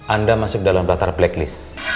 anda masuk dalam daftar blacklist